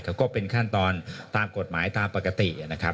ก็เป็นขั้นตอนตามกฎหมายตามปกตินะครับ